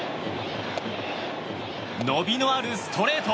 伸びのあるストレート。